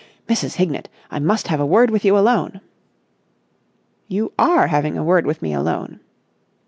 "Mrs. Hignett, I must have a word with you alone!" "You are having a word with me alone."